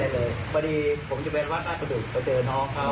พอดีผมอยู่ในวัฒน์อ้ากระดุแล้วเจอน้องเขา